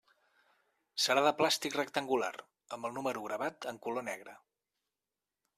Serà de plàstic rectangular, amb el número gravat en color negre.